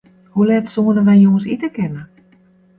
Hoe let soenen wy jûns ite kinne?